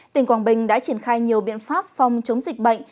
tỉnh quảng bình đã triển khai nhiều biện pháp phòng chống dịch bệnh